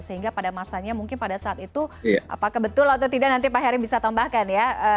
sehingga pada masanya mungkin pada saat itu apakah betul atau tidak nanti pak heri bisa tambahkan ya